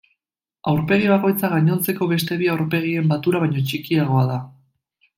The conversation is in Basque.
Aurpegi bakoitza gainontzeko beste bi aurpegien batura baino txikiagoa da.